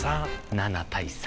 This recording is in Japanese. ７対３。